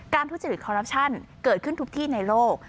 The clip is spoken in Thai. ทุจริตคอรัปชั่นเกิดขึ้นทุกที่ในโลก